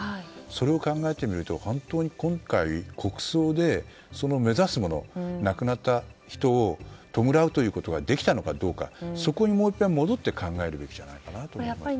それを考えてみると本当に今回、国葬で目指すもの亡くなった人を弔うということはできたのかどうかそこにもういっぺん戻って考えてみるべきじゃないかと思います。